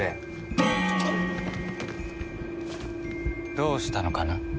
どうしたのかな？